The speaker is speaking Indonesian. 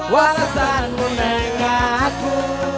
wa rasan munek aku